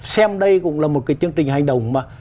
xem đây cũng là một cái chương trình hành động mà